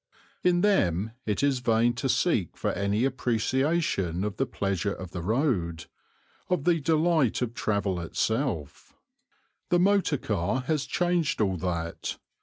In them it is vain to seek for any appreciation of the pleasure of the road, of the delight of travel itself. The motor car has changed all that.